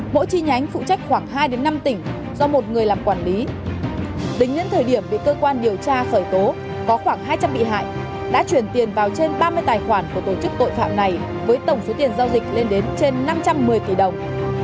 mỗi chi nhánh phụ trách khoảng hai năm tỉnh do một người làm quản lý tính đến thời điểm bị cơ quan điều tra khởi tố có khoảng hai trăm linh bị hại đã chuyển tiền vào trên ba mươi tài khoản của tổ chức tội phạm này với tổng số tiền giao dịch lên đến trên năm trăm một mươi tỷ đồng